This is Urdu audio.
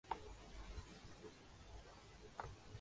پروسیسرز کے لئے نینو میٹر ٹیکنولوجی استعمال ہوتی ہے